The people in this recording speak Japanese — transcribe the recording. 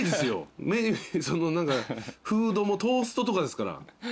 フードもトーストとかですから。